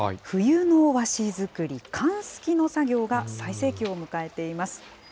冬の和紙作り、寒すきの作業が最盛期を迎えています。